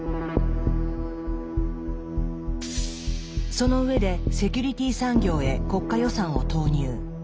その上でセキュリティ産業へ国家予算を投入。